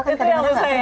itu yang lu sayang